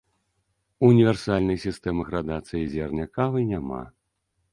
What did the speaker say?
Універсальнай сістэмы градацыі зерня кавы няма.